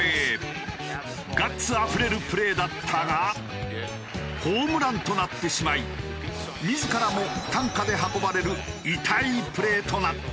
ガッツあふれるプレーだったがホームランとなってしまい自らも担架で運ばれる痛いプレーとなった。